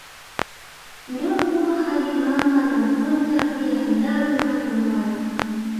Ndungu hadi Mamba na Vunta pia Hedaru hadi Mwala